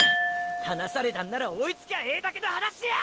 離されたんなら追いつきゃええだけの話じゃ！